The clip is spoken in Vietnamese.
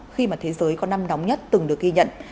khi mà thế giới có năm nóng nhất từng được ghi nhận